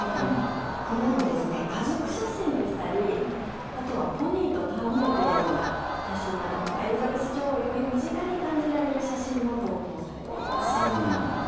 このように家族写真でしたりあとはポニーと戯れているような写真などエリザベス女王をより身近に感じられる写真も投稿されています。